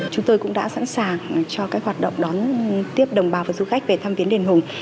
chúng tôi cũng đã sẵn sàng cho các hoạt động đón tiếp đồng bào và du khách về thăm viến đền hùng